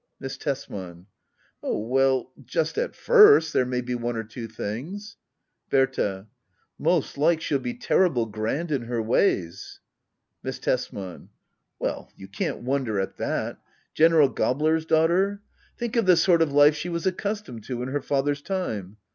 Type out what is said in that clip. Miss Tesman. Oh well — just at first there may be one or two things Bbrta. Most like she'll be terrible grand in her ways. Miss Tesman. Well, you can't wonder at that — General Gabler's daughter ! Think of the sort of life she was accus tomed to in her father's time.